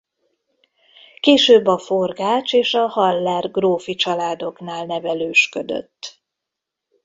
Később a Forgách és a Haller grófi családoknál nevelősködött.